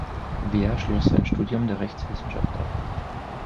Wehr schloss ein Studium der Rechtswissenschaft ab.